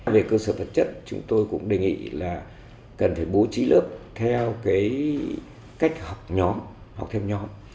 về cơ sở vật chất chúng tôi cũng đề nghị là cần phải bố trí lớp theo cái cách học nhóm học thêm nhóm